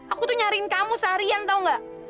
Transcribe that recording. aku tuh nyariin kamu seharian tau gak